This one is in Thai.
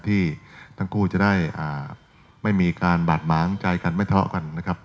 ที่ทั้งคู่จะได้ไม่มีการบาดหมางใจกันไม่ทะเลาะกันนะครับ